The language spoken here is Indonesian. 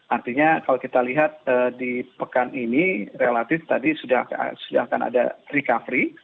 artinya kalau kita lihat di pekan ini relatif tadi sudah akan ada recovery